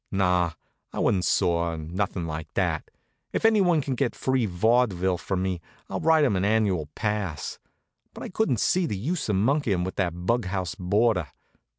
Naw, I wa'n't sore, or nothin' like that. If anyone can get free vawdyville from me I'll write 'em an annual pass; but I couldn't see the use of monkeyin' with that bug house boarder.